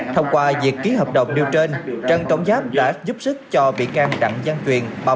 thông qua việc ký hợp đồng điều trên trần trọng giáp đã giúp sức cho bị can rặn gian truyền